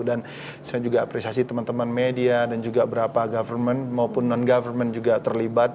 dan saya juga apresiasi teman teman media dan juga beberapa government maupun non government juga terlibat